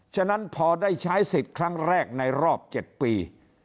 ฉะนั้นพอได้ใช้สิทธิ์ครั้งแรกในรอบ๗ปี